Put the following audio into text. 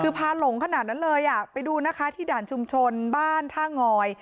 คือพาหลงขนาดนั้นเลยอ่ะไปดูนะคะที่ด่านชุมชนบ้านท่างอย